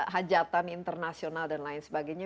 hajatan internasional dan lain sebagainya